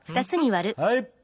はい。